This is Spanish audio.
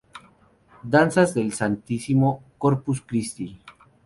Danzas del Santísimo Corpus Christi".